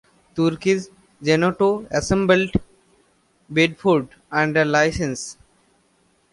Turkey's Genoto assembled Bedfords under license.